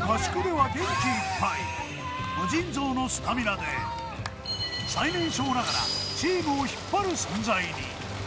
合宿では元気いっぱい、無尽蔵のスタミナで、最年少ながら、チームを引っ張る存在に。